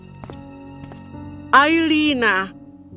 ayahku raja ferdimal sesuai dengan perjalananmu